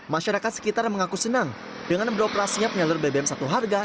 masyarakat sekitar mengaku senang dengan beroperasinya penyalur bbm satu harga